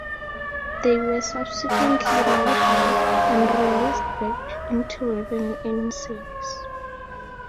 They were subsequently modified, and released back into revenue-earning service.